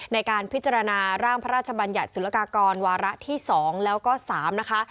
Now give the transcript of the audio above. ในการพิจารณาร่างพระราชบัญญัติศุลกากรวาระที่๒แล้วก็๓นะคะ